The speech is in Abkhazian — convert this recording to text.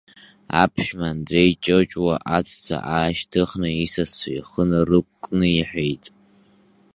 Аԥшәма Андреи Ҷоҷуа аҵәца аашьҭыхны исасцәа ихы нарықәкны иҳәеит…